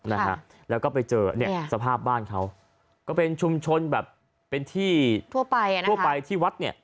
นะฮะแล้วก็ไปเจอเนี่ยสภาพบ้านเขาก็เป็นชุมชนแบบเป็นที่ทั่วไปอ่ะนะทั่วไปที่วัดเนี่ย